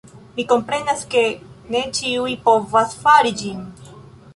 Mi komprenas, ke ne ĉiuj povas fari ĝin